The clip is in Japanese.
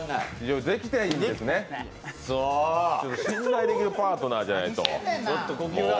信頼できるパートナーじゃないと。